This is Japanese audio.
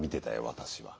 私は。